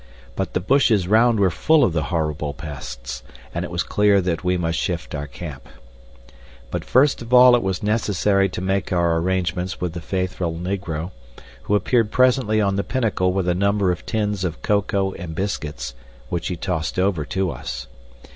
But the bushes round were full of the horrible pests, and it was clear that we must shift our camp. But first of all it was necessary to make our arrangements with the faithful negro, who appeared presently on the pinnacle with a number of tins of cocoa and biscuits, which he tossed over to us.